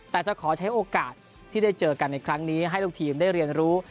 แต่จะขอใช้โอกาสที่ได้เจอกันในครั้งนี้ให้ลูกทีมได้เรียนรู้